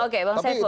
oke bang seifo